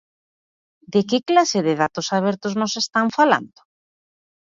¿De que clase de datos abertos nos están falando?